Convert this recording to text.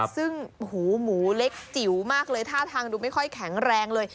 ซึ่งหมูเล็กจิ๋วมากเลยท่าทางดูไม่ค่อยแข็งแรงเลย